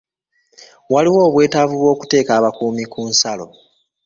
Waliwo obweetavu bw'okuteeka abakuumi ku nsalo.